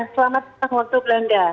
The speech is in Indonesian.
selamat malam waktu belanda